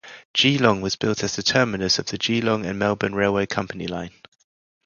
Geelong was built as the terminus of the Geelong and Melbourne Railway Company line.